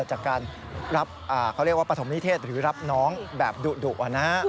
จากการรับเขาเรียกว่าประถมนิเทศหรือรับน้องแบบดุอ่ะนะครับ